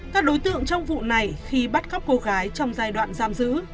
các đối tượng trong vụ này khi bắt cóc cô gái trong giai đoạn giam giữ